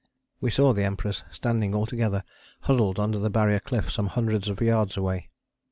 We saw the Emperors standing all together huddled under the Barrier cliff some hundreds of yards away.